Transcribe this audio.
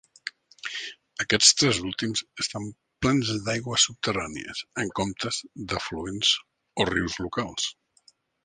Aquests tres últims estan plens d'aigües subterrànies, en comptes d'afluents o rius locals.